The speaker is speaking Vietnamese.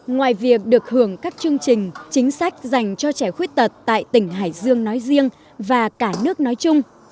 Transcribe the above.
ngoài việc được hưởng các chương trình chính sách dành cho trẻ khuyết tật tại tỉnh hải dương nói riêng và cả nước nói chung